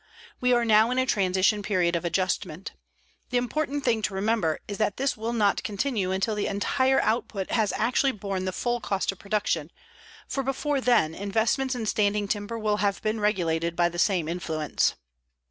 We are now in a transition period of adjustment. The important thing to remember is that this will not continue until the entire output has actually borne the full cost of production, for before then investments in standing timber will have been regulated by the same influence.